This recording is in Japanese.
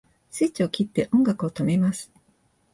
スイッチを切って音楽を止めます